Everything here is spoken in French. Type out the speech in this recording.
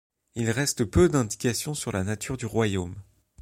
Il reste peu d'indications sur la nature du royaume.